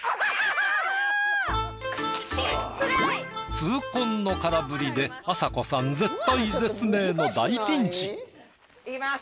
痛恨の空振りであさこさん絶体絶命の大ピンチ！いきます。